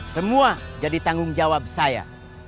semua jadi tanggung jawab saya